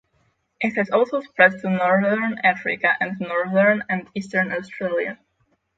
It has also spread to Northern Africa and Northern and Eastern Australia.